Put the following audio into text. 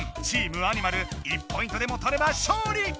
チームアニマル１ポイントでもとれば勝利！